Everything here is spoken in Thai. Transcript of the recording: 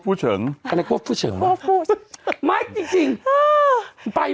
เพราะว่าควรทำผม